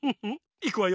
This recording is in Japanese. いくわよ。